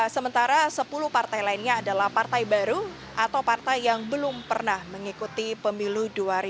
sementara sepuluh partai lainnya adalah partai baru atau partai yang belum pernah mengikuti pemilu dua ribu sembilan belas